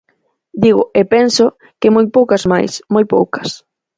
Digo, e penso, que moi poucas máis, moi poucas.